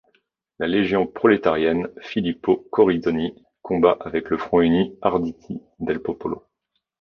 La Légion Prolétarienne Filippo Corridoni combat avec le front uni Arditi del Popolo.